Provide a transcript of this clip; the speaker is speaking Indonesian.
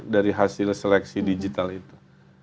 dari hasil seleksi digital itu